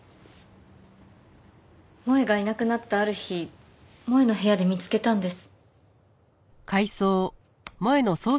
萌絵がいなくなったある日萌絵の部屋で見つけたんです。